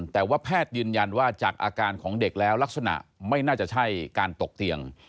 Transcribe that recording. แต่ว่าแพทย์ยืนยันว่าจากอาการของเด็กแล้วลักษณะไม่น่าจะใช่การตกเตียง